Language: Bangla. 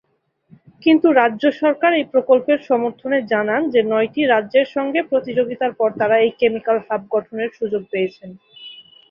কিন্তু রাজ্য সরকার এই প্রকল্পের সমর্থনে জানান যে নয়টি রাজ্যের সঙ্গে প্রতিযোগিতার পর তারা এই কেমিক্যাল হাব গঠনের সুযোগ পেয়েছেন।